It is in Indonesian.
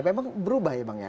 memang berubah ya bang ya